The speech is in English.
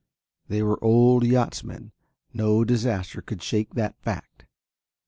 They were old yachtsmen, no disaster could shake that fact.